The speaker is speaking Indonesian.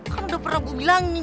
kan udah pernah gue bilangin